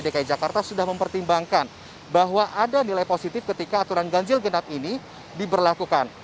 dki jakarta sudah mempertimbangkan bahwa ada nilai positif ketika aturan ganjil genap ini diberlakukan